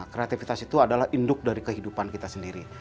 kreativitas itu adalah induk dari kehidupan kita sendiri